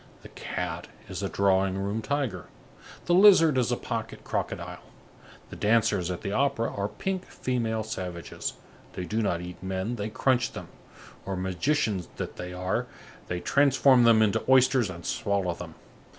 The cat is a drawing room tiger, the lizard is a pocket crocodile. The dancers at the opera are pink female savages. They do not eat men, they crunch them; or, magicians that they are, they transform them into oysters and swallow them.